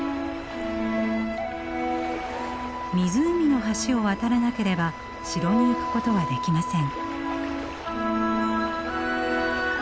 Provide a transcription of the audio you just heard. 湖の橋を渡らなければ城に行くことはできません。